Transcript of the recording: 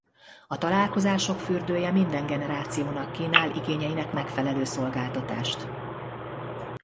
A találkozások fürdője minden generációnak kínál igényeinek megfelelő szolgáltatást.